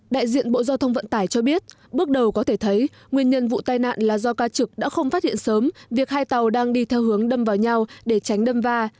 đại diện bộ giao thông vận tải cho biết bước đầu có thể thấy nguyên nhân vụ tai nạn là do ca trực đã không phát hiện sớm việc hai tàu đang đi theo hướng đâm vào nhau để tránh đâm va